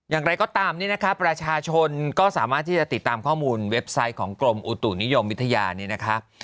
อย่างไรก็ตามนี่นะคะประชาชนก็สามารถที่จะติดตามข้อมูลเว็บไซต์ของกรมอุตุนิยมวิทยาเนี่ยนะคะ